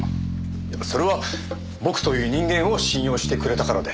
それは僕という人間を信用してくれたからで。